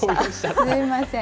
すみません。